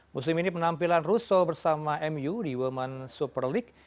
musim ini penampilan russo bersama mu di women super league